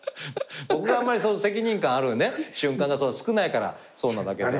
僕があんまり責任感ある瞬間が少ないからそうなだけで。